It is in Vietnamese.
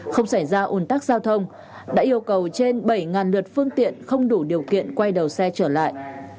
không xảy ra ồn tắc giao thông đã yêu cầu trên bảy lượt phương tiện không đủ điều kiện quay đầu xe trở lại